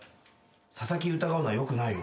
佐々木疑うのはよくないよ。